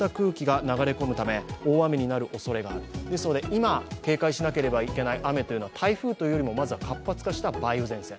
今、警戒しなければいけない雨は台風というよりもまずは活発化した梅雨前線。